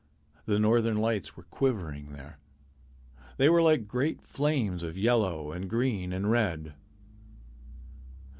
The northern lights were quivering there. They were like great flames of yellow and green and red.